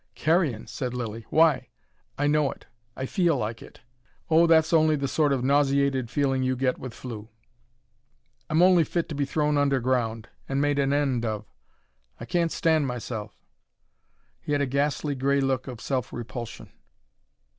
"Carrion!" said Lilly. "Why?" "I know it. I feel like it." "Oh, that's only the sort of nauseated feeling you get with flu." "I'm only fit to be thrown underground, and made an end of. I can't stand myself " He had a ghastly, grey look of self repulsion.